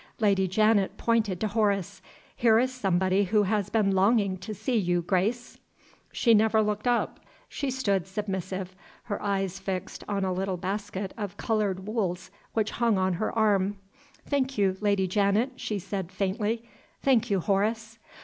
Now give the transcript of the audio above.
Lady Janet pointed to Horace: "Here is somebody who has been longing to see you, Grace." She never looked up; she stood submissive, her eyes fixed on a little basket of colored wools which hung on her arm. "Thank you, Lady Janet," she said, faintly. "Thank you, Horace."